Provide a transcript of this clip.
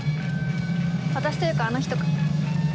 私というかあの人か。